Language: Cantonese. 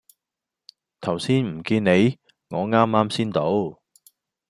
頭先唔見你？我啱啱先到